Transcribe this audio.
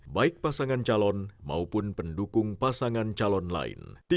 baik pasangan calon maupun pendukung pasangan calon lain